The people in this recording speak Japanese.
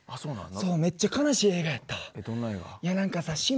めっちゃ悲しい映画やった。